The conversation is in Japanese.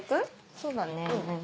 そうだね。